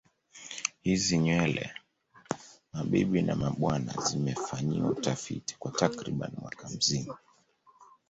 Hizi nywele mabibi na mabwana zimefanyiwa utafiti kwa takriban mwaka mzima